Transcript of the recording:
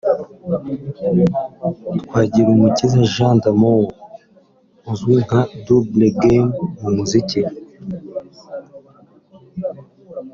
Twagirumukiza Jean d'Amour uzwi nka Double Game mu muziki